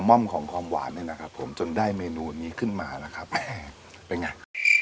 ม่อมของความหวานเนี่ยนะครับผมจนได้เมนูนี้ขึ้นมานะครับแหมเป็นไง